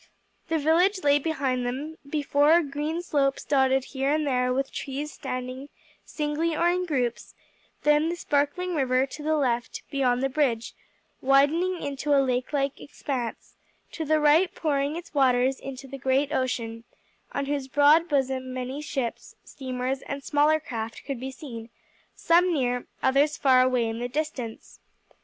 The village lay behind them; before, green slopes dotted here and there with trees standing singly or in groups; then the sparkling river, to the left, beyond the bridge, widening into a lake like expanse, to the right pouring its waters into the great ocean, on whose broad bosom many ships, steamers and smaller craft could be seen, some near, others far away in the distance.